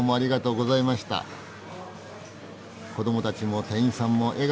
子どもたちも店員さんも笑顔。